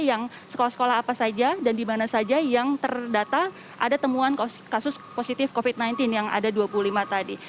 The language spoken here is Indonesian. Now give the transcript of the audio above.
yang sekolah sekolah apa saja dan di mana saja yang terdata ada temuan kasus positif covid sembilan belas yang ada dua puluh lima tadi